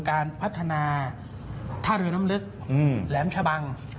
การพัฒนาท่าเรือน้ำลึกแหลมชะบัง